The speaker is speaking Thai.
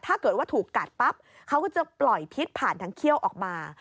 ถ้าเกิดว่าถูกกัดปั๊บเขาก็จะปล่อยพิษผ่านทางเขี้ยวออกมา